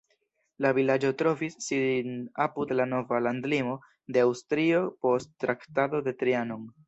La vilaĝo trovis sin apud la nova landlimo de Aŭstrio post Traktato de Trianon.